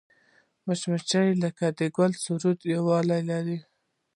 مچمچۍ له ګل سره یووالی لري